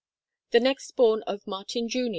The next born of Martin Jr.